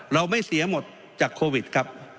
เราไม่เสียหมดจากโควิดครับ